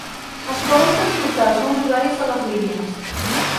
Es poden consultar els nous horaris de les línies.